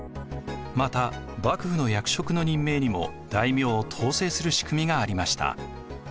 また幕府の役職の任命にも大名を統制する仕組みがありました。